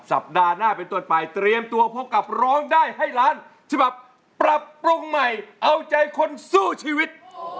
สัปดาห์หน้าเป็นต้นไปเตรียมตัวพบกับร้องได้ให้ล้านฉบับปรับปรุงใหม่เอาใจคนสู้ชีวิต